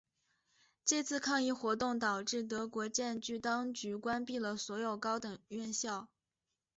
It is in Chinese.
这次抗议活动导致德国占领当局关闭了所有高等院校。